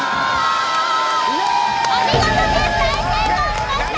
お見事、大成功しました。